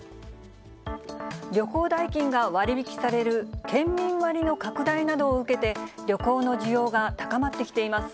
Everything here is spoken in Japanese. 旅行代金が割引される県民割の拡大などを受けて、旅行の需要が高まってきています。